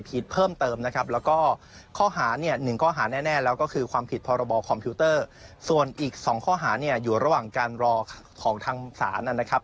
อีกสองข้อหาเนี่ยอยู่ระหว่างการรอของทางสารนะนะครับ